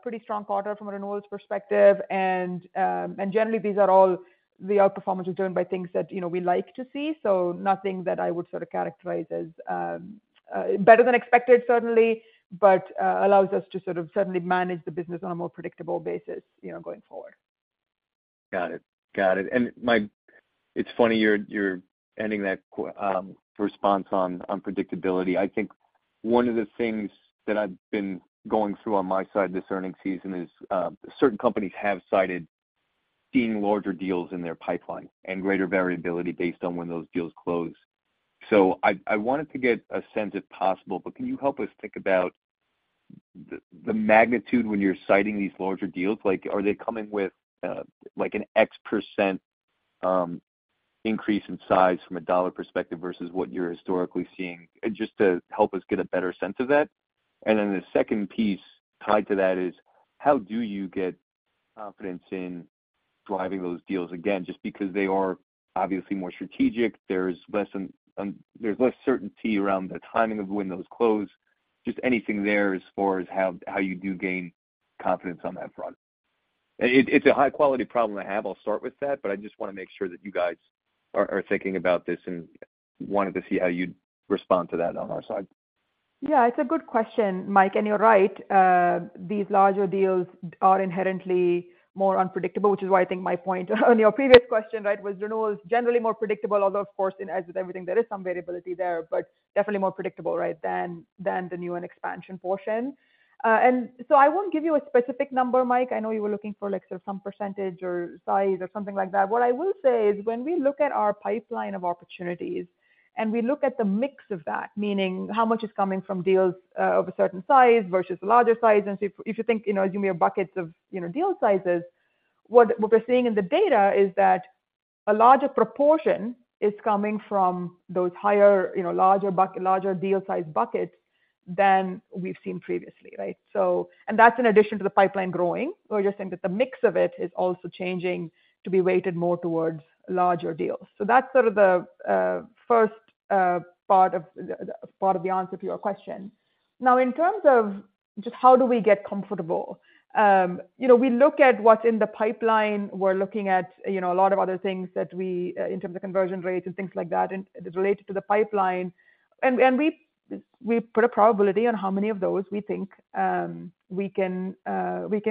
pretty strong quarter from a renewal's perspective. Generally, these are all the outperformance is driven by things that we like to see. Nothing that I would sort of characterize as better than expected, certainly, but allows us to sort of certainly manage the business on a more predictable basis going forward. Got it. Got it. And like, it's funny you're ending that response on predictability. I think one of the things that I've been going through on my side this earnings season is certain companies have cited seeing larger deals in their pipeline and greater variability based on when those deals close. So, I wanted to get a sense, if possible, but can you help us think about the magnitude when you're citing these larger deals? Are they coming with an X% increase in size from a dollar perspective versus what you're historically seeing? Just to help us get a better sense of that. And then the second piece tied to that is, how do you get confidence in driving those deals again? Just because they are obviously more strategic. There's less certainty around the timing of when those close. Just anything there as far as how you do gain confidence on that front. It's a high-quality problem to have. I'll start with that. But I just want to make sure that you guys are thinking about this and wanted to see how you'd respond to that on our side. Yeah, it's a good question, Mike. You're right. These larger deals are inherently more unpredictable, which is why I think my point on your previous question, right, was renewal is generally more predictable, although, of course, as with everything, there is some variability there, but definitely more predictable, right, than the new and expansion portion. So, I won't give you a specific number, Mike. I know you were looking for sort of some percentage or size or something like that. What I will say is when we look at our pipeline of opportunities and we look at the mix of that, meaning how much is coming from deals of a certain size versus a larger size and if you think, assume you have buckets of deal sizes, what we're seeing in the data is that a larger proportion is coming from those larger deal-sized buckets than we've seen previously, right? And that's in addition to the pipeline growing. We're just saying that the mix of it is also changing to be weighted more towards larger deals. So, that's sort of the first part of the answer to your question. Now, in terms of just how do we get comfortable? We look at what's in the pipeline. We're looking at a lot of other things that we in terms of conversion rates and things like that related to the pipeline. And we put a probability on how many of those we think we can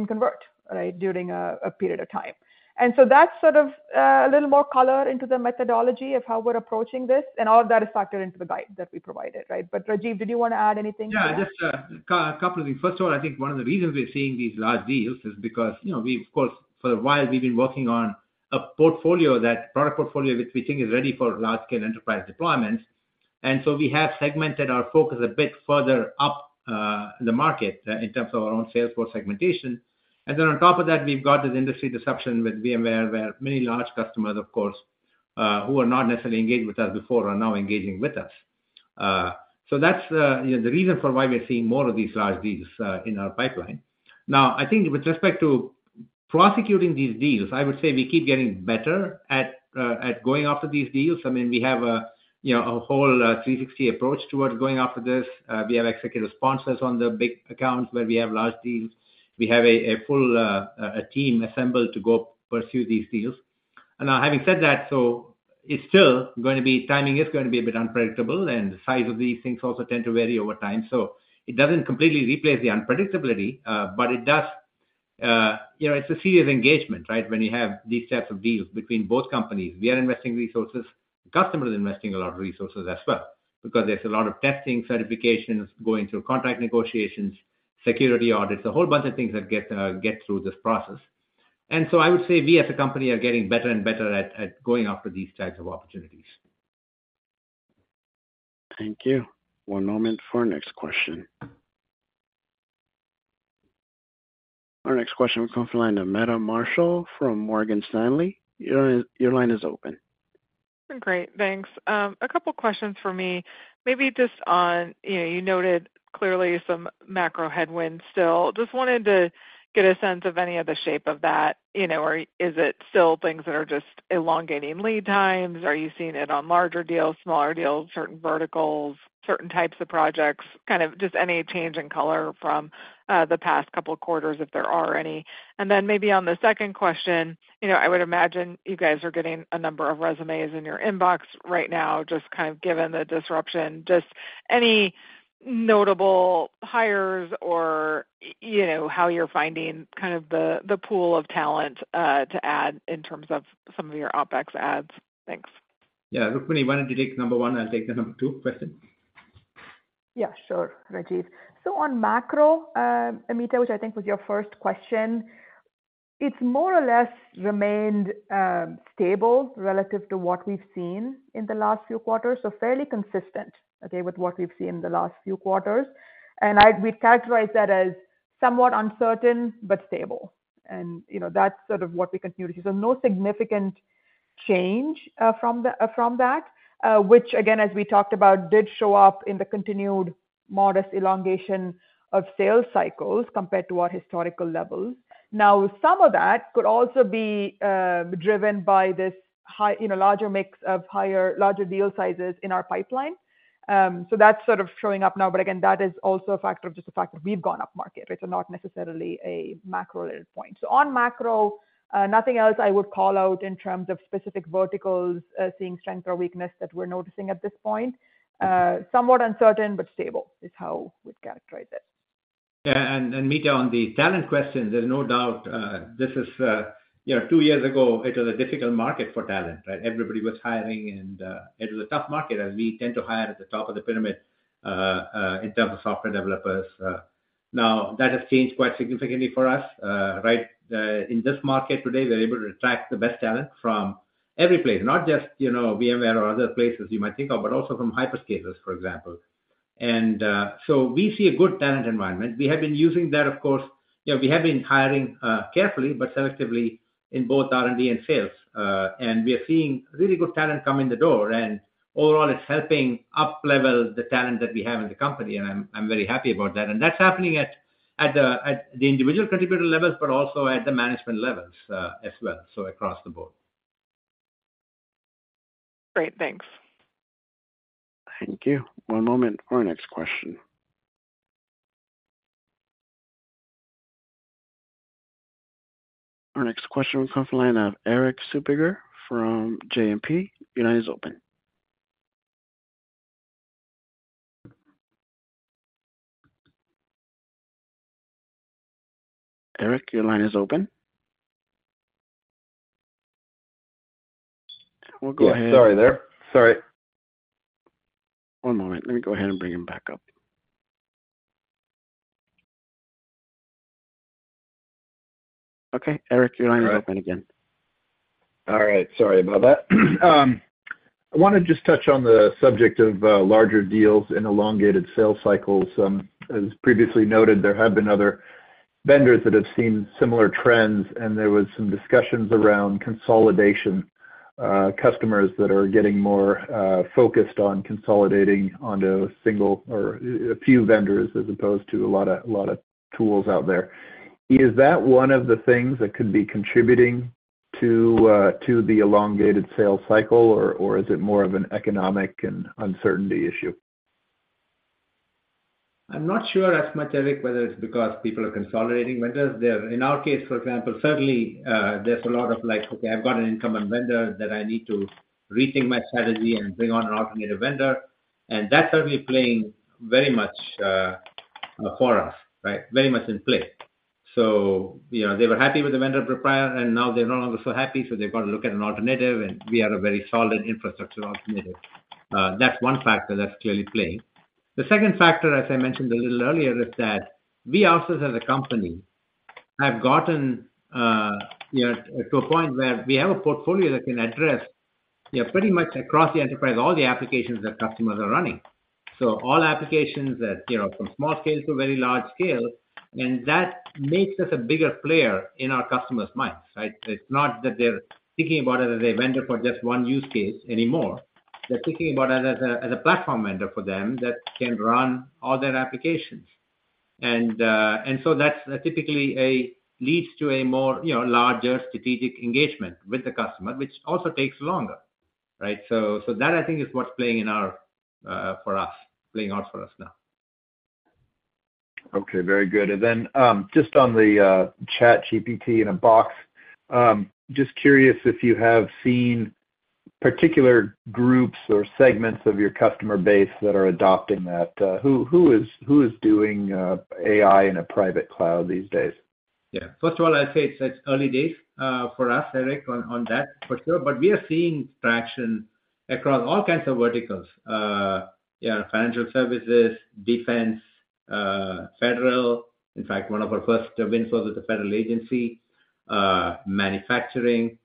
convert, right, during a period of time. And so that's sort of a little more color into the methodology of how we're approaching this. And all of that is factored into the guide that we provided, right? But Rajiv, did you want to add anything? Yeah, just a couple of things. First of all, I think one of the reasons we're seeing these large deals is because we, of course, for a while, we've been working on a product portfolio which we think is ready for large-scale enterprise deployments. And so, we have segmented our focus a bit further up the market in terms of our own sales force segmentation. And then on top of that, we've got this industry disruption with VMware where many large customers, of course, who are not necessarily engaged with us before are now engaging with us. So, that's the reason for why we're seeing more of these large deals in our pipeline. Now, I think with respect to pursuing these deals, I would say we keep getting better at going after these deals. I mean, we have a whole 360 approach towards going after this. We have executive sponsors on the big accounts where we have large deals. We have a full team assembled to go pursue these deals. Now, having said that, so it's still going to be timing is going to be a bit unpredictable. And the size of these things also tend to vary over time. So, it doesn't completely replace the unpredictability. But it does. It's a serious engagement, right, when you have these types of deals between both companies. We are investing resources. The customer is investing a lot of resources as well because there's a lot of testing, certifications, going through contract negotiations, security audits, a whole bunch of things that get through this process. And so, I would say we, as a company, are getting better and better at going after these types of opportunities. Thank you. One moment for our next question. Our next question will come from the line of Meta Marshall from Morgan Stanley. Your line is open. Great. Thanks. A couple of questions for me, maybe just on what you noted clearly some macro headwinds still. Just wanted to get a sense of any of the shape of that. Or is it still things that are just elongating lead times? Are you seeing it on larger deals, smaller deals, certain verticals, certain types of projects, kind of just any change in color from the past couple of quarters if there are any? And then maybe on the second question, I would imagine you guys are getting a number of resumes in your inbox right now just kind of given the disruption. Just any notable hires or how you're finding kind of the pool of talent to add in terms of some of your OpEx adds? Thanks. Yeah. Rukmini, why don't you take number one? I'll take the number two question. Yeah, sure, Rajiv. So, on macro, Meta, which I think was your first question, it's more or less remained stable relative to what we've seen in the last few quarters, so fairly consistent, okay, with what we've seen in the last few quarters. We'd characterize that as somewhat uncertain but stable. That's sort of what we continue to see. No significant change from that, which, again, as we talked about, did show up in the continued modest elongation of sales cycles compared to our historical levels. Now, some of that could also be driven by this larger mix of larger deal sizes in our pipeline. That's sort of showing up now. But again, that is also a factor of just the fact that we've gone up market, right, so not necessarily a macro-related point. On macro, nothing else I would call out in terms of specific verticals seeing strength or weakness that we're noticing at this point. Somewhat uncertain but stable is how we'd characterize it. Yeah. And Meta, on the talent question, there's no doubt this is two years ago, it was a difficult market for talent, right? Everybody was hiring. And it was a tough market as we tend to hire at the top of the pyramid in terms of software developers. Now, that has changed quite significantly for us, right? In this market today, we're able to attract the best talent from every place, not just VMware or other places you might think of, but also from hyperscalers, for example. And so, we see a good talent environment. We have been using that, of course. We have been hiring carefully but selectively in both R&D and sales, and we are seeing really good talent come in the door. Overall, it's helping uplevel the talent that we have in the company and I'm very happy about that. That's happening at the individual contributor levels but also at the management levels as well, so across the board. Great. Thanks. Thank you. One moment for our next question. Our next question will come from the line of Erik Suppiger from JMP. Your line is open. Erik, your line is open. We'll go ahead. Yeah. Sorry there. Sorry. One moment. Let me go ahead and bring him back up. Okay. Erik, your line is open again. All right. Sorry about that. I want to just touch on the subject of larger deals and elongated sales cycles. As previously noted, there have been other vendors that have seen similar trends. There was some discussions around consolidation. Customers that are getting more focused on consolidating onto a single or a few vendors as opposed to a lot of tools out there. Is that one of the things that could be contributing to the elongated sales cycle or is it more of an economic and uncertainty issue? I'm not sure as much, Erik, whether it's because people are consolidating vendors. In our case, for example, certainly, there's a lot of like, "Okay. I've got an incumbent vendor that I need to rethink my strategy and bring on an alternative vendor." And that's certainly playing very much for us, right, very much in play. So, they were happy with the vendor prior. And now, they're no longer so happy. So, they've got to look at an alternative and we are a very solid infrastructure alternative. That's one factor that's clearly playing. The second factor, as I mentioned a little earlier, is that we also as a company have gotten to a point where we have a portfolio that can address pretty much across the enterprise all the applications that customers are running, so all applications from small scale to very large scale. And that makes us a bigger player in our customers' minds, right? It's not that they're thinking about it as a vendor for just one-use case anymore. They're thinking about it as a platform vendor for them that can run all their applications. And so, that typically leads to a larger strategic engagement with the customer, which also takes longer, right? So, that, I think, is what's playing for us, playing out for us now. Okay. Very good. And then just on the ChatGPT-in-a-Box, just curious if you have seen particular groups or segments of your customer base that are adopting that. Who is doing AI in a private cloud these days? Yeah. First of all, I'd say it's early days for us, Erik, on that for sure. But we are seeing traction across all kinds of verticals: financial services, defense, federal. In fact, one of our first wins was a federal agency, manufacturing,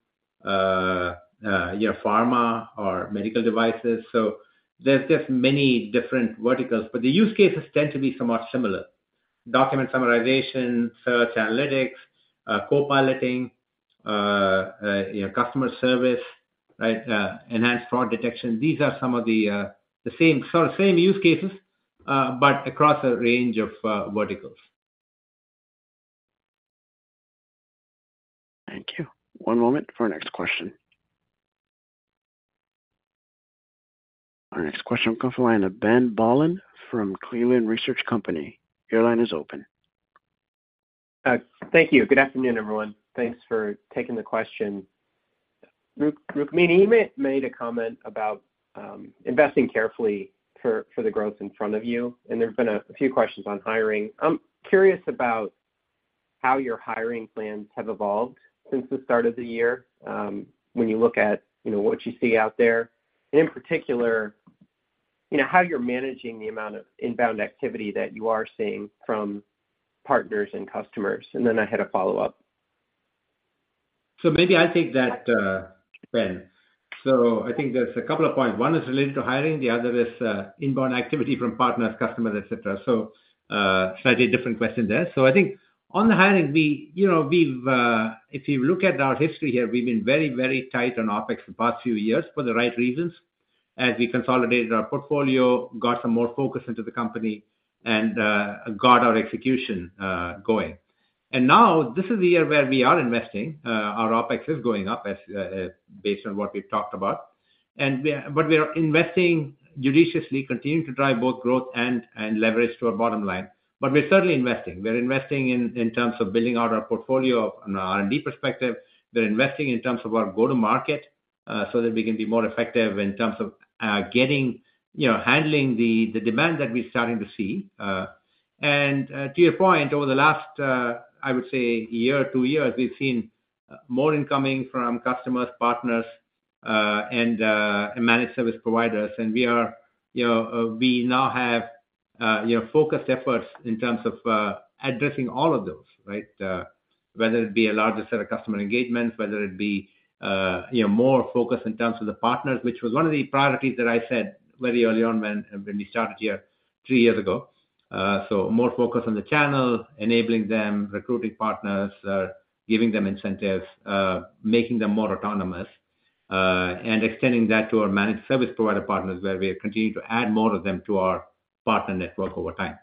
pharma, or medical devices. So, there's just many different verticals. But the use cases tend to be somewhat similar: document summarization, search analytics, co-piloting, customer service, right, enhanced fraud detection. These are some of the same sort of same use cases but across a range of verticals. Thank you. One moment for our next question. Our next question will come from the line of Ben Bollin from Cleveland Research Company. Your line is open. Thank you. Good afternoon, everyone. Thanks for taking the question. Rukmini made a comment about investing carefully for the growth in front of you. There's been a few questions on hiring. I'm curious about how your hiring plans have evolved since the start of the year when you look at what you see out there and, in particular, how you're managing the amount of inbound activity that you are seeing from partners and customers. Then I had a follow-up. So, maybe I'll take that, Ben. So, I think there's a couple of points. One is related to hiring. The other is inbound activity from partners, customers, etc. So, slightly different question there. So, I think on the hiring, if you look at our history here, we've been very, very tight on OpEx the past few years for the right reasons as we consolidated our portfolio, got some more focus into the company, and got our execution going. Now, this is the year where we are investing. Our OpEx is going up based on what we've talked about. But we are investing judiciously, continuing to drive both growth and leverage to our bottom line. But we're certainly investing. We're investing in terms of building out our portfolio from an R&D perspective. We're investing in terms of our go-to-market so that we can be more effective in terms of handling the demand that we're starting to see. To your point, over the last, I would say, a year, two years, we've seen more incoming from customers, partners, and managed service providers. We now have focused efforts in terms of addressing all of those, right, whether it be a larger set of customer engagements, whether it be more focus in terms of the partners, which was one of the priorities that I said very early on when we started here three years ago. More focus on the channel, enabling them, recruiting partners, giving them incentives, making them more autonomous, and extending that to our managed service provider partners where we are continuing to add more of them to our partner network over time.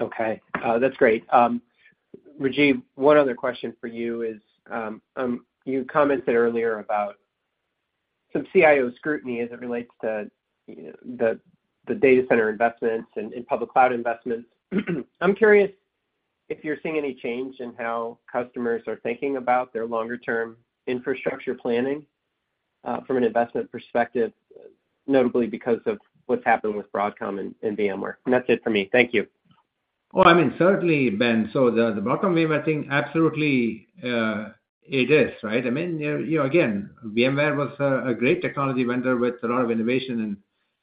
Okay. That's great. Rajiv, one other question for you is you commented earlier about some CIO scrutiny as it relates to the data center investments and public cloud investments. I'm curious if you're seeing any change in how customers are thinking about their longer-term infrastructure planning from an investment perspective, notably because of what's happened with Broadcom and VMware. And that's it for me. Thank you. Well, I mean, certainly, Ben. So, the Broadcom-VMware, I think, absolutely, it is, right? I mean, again, VMware was a great technology vendor with a lot of innovation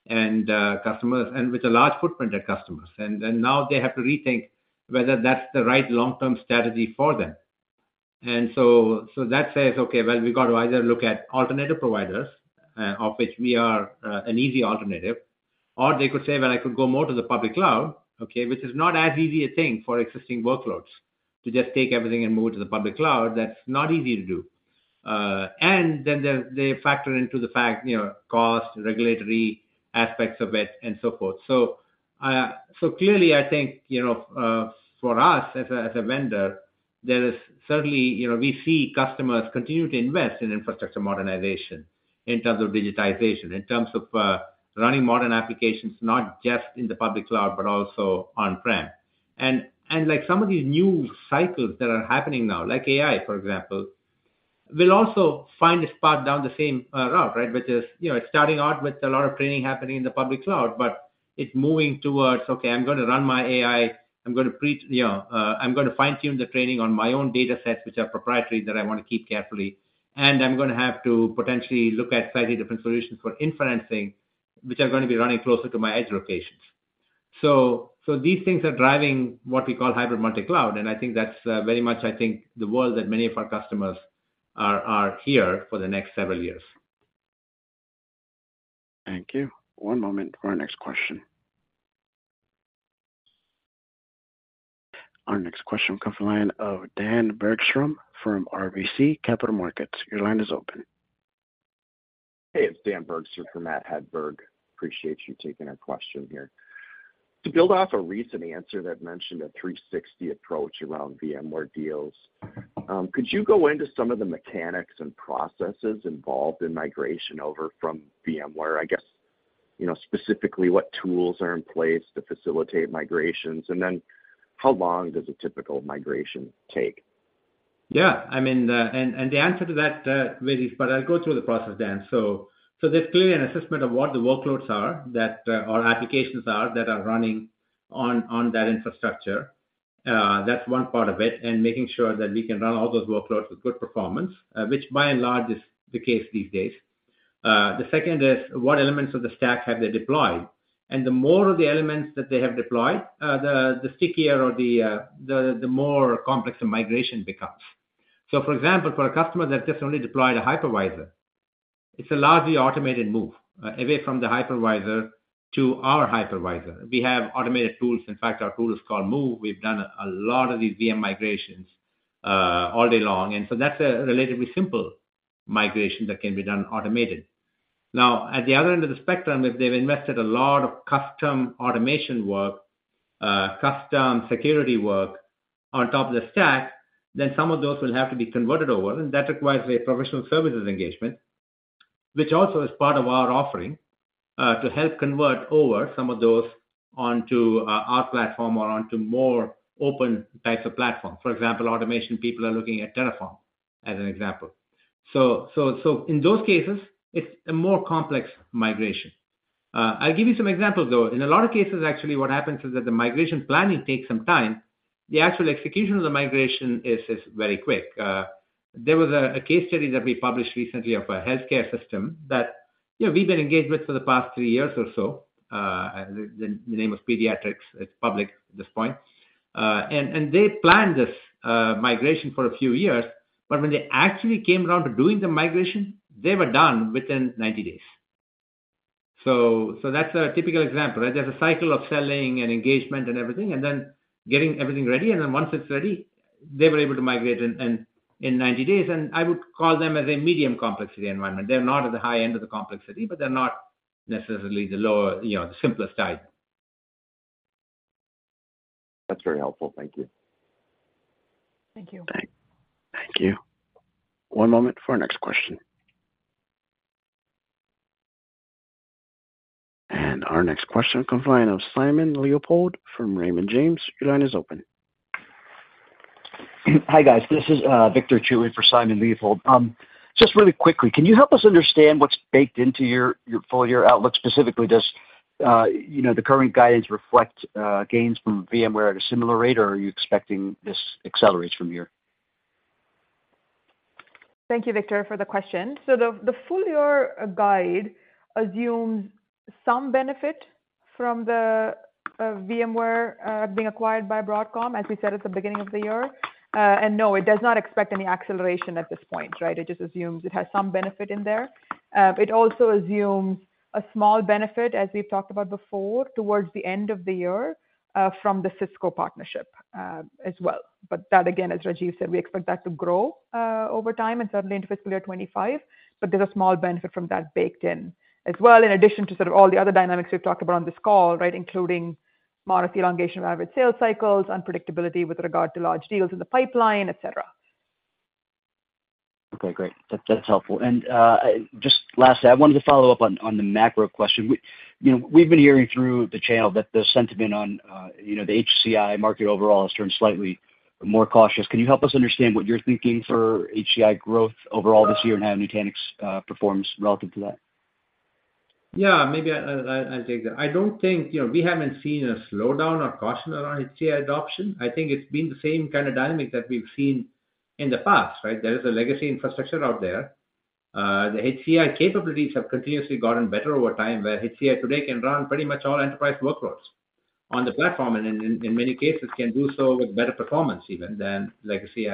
and customers and with a large footprint at customers. And now, they have to rethink whether that's the right long-term strategy for them. And so that says, "Okay. Well, we've got to either look at alternative providers, of which we are an easy alternative", or they could say, "Well, I could go more to the public cloud," okay, which is not as easy a thing for existing workloads to just take everything and move it to the public cloud. That's not easy to do. Then they factor into the fact, cost, regulatory aspects of it, and so forth. So, clearly, I think for us as a vendor, there is certainly we see customers continue to invest in infrastructure modernization in terms of digitization, in terms of running modern applications not just in the public cloud but also on-prem. And some of these new cycles that are happening now, like AI, for example, will also find a spot down the same route, right, which is it's starting out with a lot of training happening in the public cloud. But it's moving towards, "Okay. I'm going to run my AI. I'm going to fine-tune the training on my own data sets which are proprietary that I want to keep carefully and I'm going to have to potentially look at slightly different solutions for inferencing which are going to be running closer to my edge locations." So, these things are driving what we call hybrid multi-cloud. I think that's very much, I think, the world that many of our customers are here for the next several years. Thank you. One moment for our next question. Our next question will come from the line of Dan Bergstrom from RBC Capital Markets. Your line is open. Hey. It's Dan Bergstrom for Matt Hedberg. Appreciate you taking our question here. To build off a recent answer that mentioned a 360 approach around VMware deals, could you go into some of the mechanics and processes involved in migration over from VMware? I guess, specifically, what tools are in place to facilitate migrations? And then how long does a typical migration take? Yeah. I mean, and the answer to that varies, but I'll go through the process, Dan. So, there's clearly an assessment of what the workloads are, or applications are that are running on that infrastructure. That's one part of it and making sure that we can run all those workloads with good performance, which by and large is the case these days. The second is what elements of the stack have they deployed? And the more of the elements that they have deployed, the stickier or the more complex the migration becomes. So, for example, for a customer that just only deployed a hypervisor, it's a largely automated move away from the hypervisor to our hypervisor. We have automated tools. In fact, our tool is called Move. We've done a lot of these VM migrations all day long. And so that's a relatively simple migration that can be done automated. Now, at the other end of the spectrum, if they've invested a lot of custom automation work, custom security work on top of the stack, then some of those will have to be converted over. And that requires a professional services engagement, which also is part of our offering to help convert over some of those onto our platform or onto more open types of platforms. For example, automation, people are looking at Terraform as an example. So, in those cases, it's a more complex migration. I'll give you some examples, though. In a lot of cases, actually, what happens is that the migration planning takes some time. The actual execution of the migration is very quick. There was a case study that we published recently of a healthcare system that we've been engaged with for the past three years or so. The name was Pediatrix. It's public at this point. And they planned this migration for a few years. But when they actually came around to doing the migration, they were done within 90 days. So, that's a typical example, right? There's a cycle of selling and engagement and everything and then getting everything ready. And then once it's ready, they were able to migrate in 90 days. And I would call them as a medium complexity environment. They're not at the high end of the complexity, but they're not necessarily the simplest type. That's very helpful. Thank you. Thank you. Thank you. One moment for our next question. Our next question will come from the line of Simon Leopold from Raymond James. Your line is open. Hi, guys. This is Victor Chiu for Simon Leopold. Just really quickly, can you help us understand what's baked into your FY outlook specifically? Does the current guidance reflect gains from VMware at a similar rate? Or are you expecting this accelerates from here? Thank you, Victor, for the question. The full-year guide assumes some benefit from VMware being acquired by Broadcom, as we said at the beginning of the year. No, it does not expect any acceleration at this point, right? It just assumes it has some benefit in there. It also assumes a small benefit, as we've talked about before, towards the end of the year from the Cisco partnership as well. But that, again, as Rajiv said, we expect that to grow over time and certainly into fiscal year 2025. But there's a small benefit from that baked in as well, in addition to sort of all the other dynamics we've talked about on this call, right, including modest elongation of average sales cycles, unpredictability with regard to large deals in the pipeline, etc. Okay. Great. That's helpful. And just lastly, I wanted to follow up on the macro question. We've been hearing through the channel that the sentiment on the HCI market overall has turned slightly more cautious. Can you help us understand what you're thinking for HCI growth overall this year and how Nutanix performs relative to that? Yeah. Maybe I'll take that. I don't think we haven't seen a slowdown or caution around HCI adoption. I think it's been the same kind of dynamic that we've seen in the past, right? There is a legacy infrastructure out there. The HCI capabilities have continuously gotten better over time where HCI today can run pretty much all enterprise workloads on the platform and, in many cases, can do so with better performance even than legacy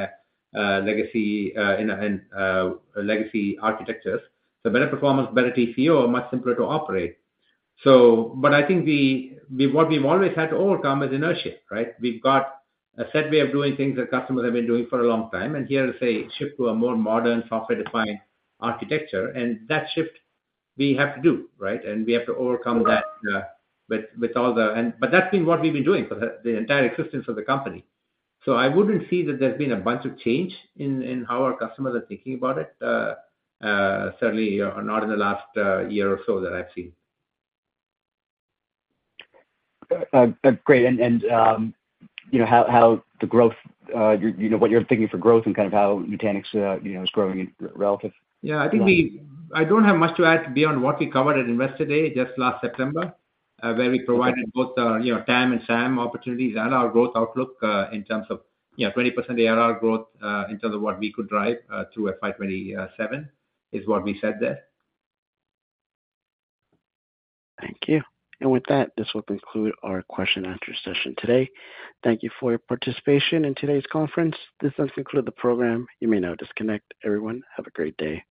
architectures. So, better performance, better TCO, much simpler to operate. But I think what we've always had to overcome is inertia, right? We've got a set way of doing things that customers have been doing for a long time. And here is a shift to a more modern software-defined architecture. And that shift, we have to do, right? We have to overcome that with all the, but that's been what we've been doing for the entire existence of the company. I wouldn't see that there's been a bunch of change in how our customers are thinking about it, certainly not in the last year or so that I've seen. Great. And how the growth, what you're thinking for growth and kind of how Nutanix is growing relative? Yeah. I think I don't have much to add beyond what we covered at Investor Day, just last September, where we provided both TAM and SAM opportunities and our growth outlook in terms of 20% ARR growth in terms of what we could drive through FY27 is what we said there. Thank you. With that, this will conclude our question-and-answer session today. Thank you for your participation in today's conference. This does conclude the program. You may now disconnect. Everyone, have a great day.